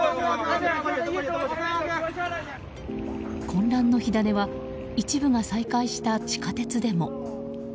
混乱の火種は一部が再開した地下鉄でも。